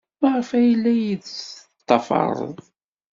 Maɣef ay la iyi-tettḍafared?